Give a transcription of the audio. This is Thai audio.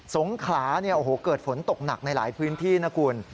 สงขลาเนี่ยโอ้โหเกิดฝนตกหนักในหลายพื้นที่นะคุณ